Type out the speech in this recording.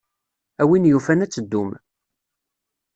A win yufan ad teddum.